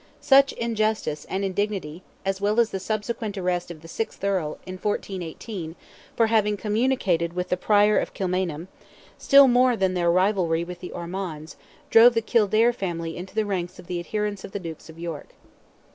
Such injustice and indignity, as well as the subsequent arrest of the sixth Earl, in 1418, "for having communicated with the Prior of Kilmainham"—still more than their rivalry with the Ormonds, drove the Kildare family into the ranks of the adherents of the Dukes of York.